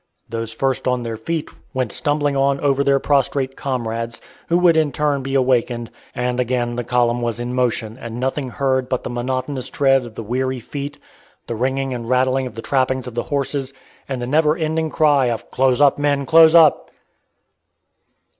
Those first on their feet went stumbling on over their prostrate comrades, who would in turn be awakened, and again the column was in motion, and nothing heard but the monotonous tread of the weary feet, the ringing and rattling of the trappings of the horses, and the never ending cry of "Close up, men; close up!"